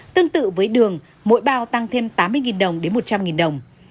tương tự với đường mỗi bao tăng thêm tám mươi đồng đến một trăm linh đồng